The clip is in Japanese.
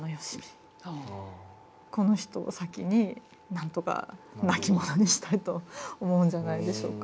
この人を先になんとか亡き者にしたいと思うんじゃないでしょうか。